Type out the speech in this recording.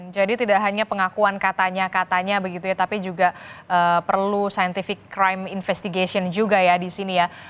jadi tidak hanya pengakuan katanya katanya begitu ya tapi juga perlu scientific crime investigation juga ya di sini ya